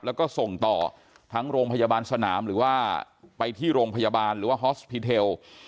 แล้วก็ส่งต่อทั้งโรงพยาบาลสนามหรือว่าไปที่โรงพยาบาลหรือว่าฮอสพีเทล